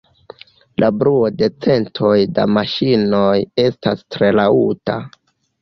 La bruo de centoj da maŝinoj estas tre laŭta.